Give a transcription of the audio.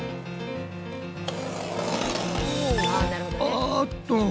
あっと！